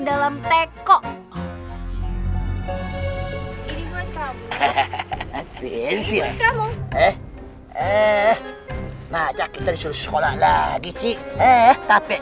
dalam teko ini buat kamu hehehe ini kamu eh eh maka kita disuruh sekolah lagi sih eh capek